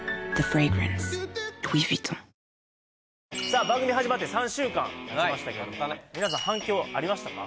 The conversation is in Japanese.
さあ番組始まって３週間たちましたけども皆さん反響ありましたか？